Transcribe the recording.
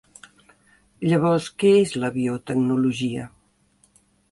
Llavors, què és la biotecnologia?